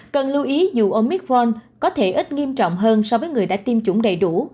cần lưu ý dù omicron có thể ít nghiêm trọng hơn so với người đã tiêm chủng đầy đủ